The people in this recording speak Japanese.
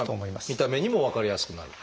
見た目にも分かりやすくなる？